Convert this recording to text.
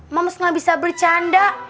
moms gak bisa bercanda